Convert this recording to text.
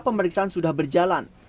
pesan sudah berjalan